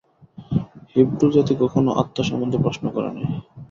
হিব্রুজাতি কখনও আত্মা সম্বন্ধে প্রশ্ন করে নাই।